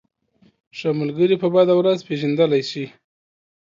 ښه ملگری په بده ورځ پېژندلی شې.